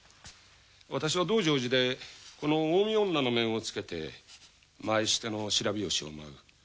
私は『道成寺』でこの近江女の面をつけて前シテの白拍子を舞う。